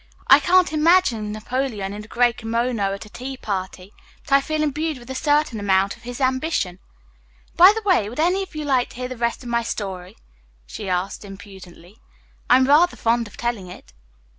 "I can't imagine Napoleon in a gray kimono at a tea party, but I feel imbued with a certain amount of his ambition. By the way, would any of you like to hear the rest of my story?" she asked impudently. "I'm rather fond of telling it."